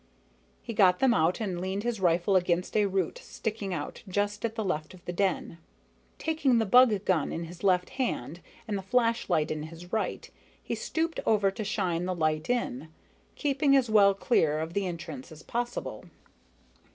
He got them out and leaned his rifle against a root sticking out just to the left of the den. Taking the bug gun in his left hand and the flashlight in his right, he stooped over to shine the light in, keeping as well clear of the entrance as possible.